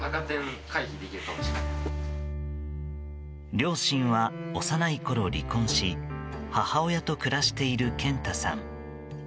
両親は幼いころ離婚し母親と暮らしている健太さん。